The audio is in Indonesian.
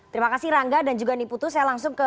terima kasih rangga dan juga niputu saya langsung ke